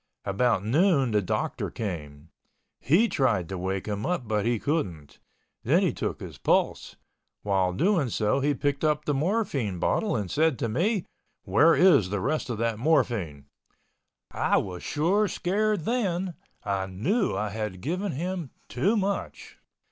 About noon the doctor came. He tried to wake him up, but he couldn't. Then he took his pulse. While doing so, he picked up the morphine bottle and said to me, "Where is the rest of that morphine?" I was sure scared then, I knew I had given him too much.